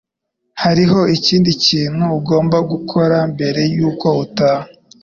Hariho ikindi kintu ugomba gukora mbere yuko utaha.